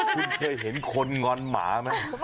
พี่เขาเปียกหมดแล้วนะทำยังไงนะฮะ